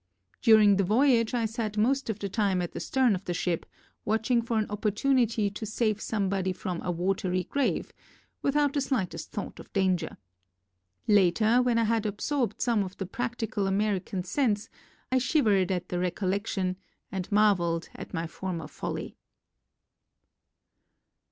During the voyage I sat most of the time at the stern of the ship watching for an opportunity to save some body from a watery grave, without the slightest thought of danger. Later when I had absorbed some of the practical Ameri can sense 1 shivered at the recollection and marvelled at my former folly.